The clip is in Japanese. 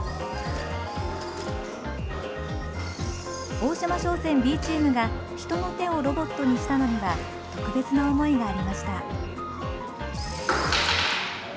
大島商船Ｂチームが人の手をロボットにしたのには特別な思いがありました。